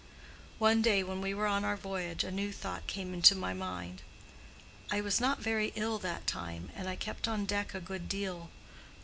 One day when we were on our voyage, a new thought came into my mind. I was not very ill that time, and I kept on deck a good deal.